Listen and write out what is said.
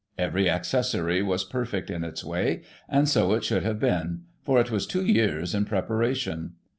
Every accessory was perfect in its way ; and so it should have been, for it was two years in preparation.